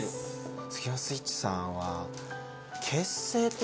スキマスイッチさんは。